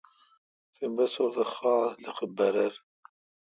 تی بسور تہ خاصلخہ برر